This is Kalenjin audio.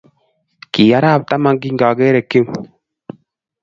Ki arap taman kingageere Kip